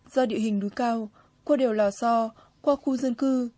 do địa hình núi cao qua đèo lò so qua khu dân cư